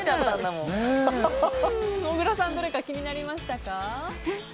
小倉さんどれか気になりましたか？